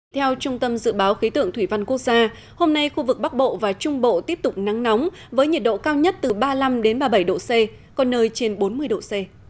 theo trung tâm dự báo khí tượng thủy văn quốc gia hôm nay khu vực bắc bộ và trung bộ tiếp tục nắng nóng với nhiệt độ cao nhất từ ba mươi năm ba mươi bảy độ c có nơi trên bốn mươi độ c